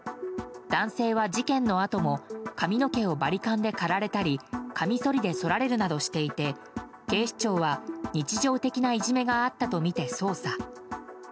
男性は事件のあとも髪の毛をバリカンで刈られたりかみそりでそられるなどしていて警視庁は日常的ないじめがあったとみて捜査。